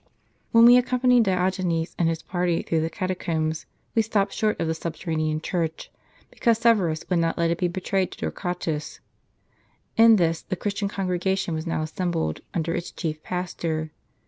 When we accompanied Diogenes and his party through the catacombs, we stopped short of the subterranean church, because Severus would not let it be betrayed to Torquatus. In this the Christian congi egation was now assembled, under its chief pastor.